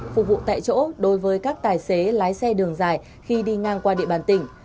phục vụ tại chỗ đối với các tài xế lái xe đường dài khi đi ngang qua địa bàn tỉnh